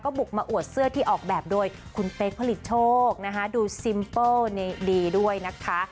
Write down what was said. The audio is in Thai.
บุกมาอวดเสื้อที่ออกแบบโดยคุณเป๊กผลิตโชคนะคะดูซิมเปิ้ลดีด้วยนะคะ